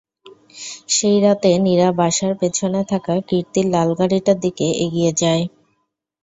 সেই রাতে নিরা বাসার পেছনে থাকা কীর্তির লালগাড়িটার দিকে এগিয়ে যায়।